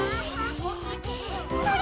それ！